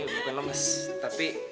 eh bukan lemes tapi